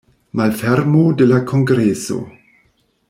Malfermo de la kongreso.